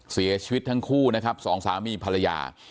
เสียชีวิตทั้งคู่นะครับสองสามีภรรยา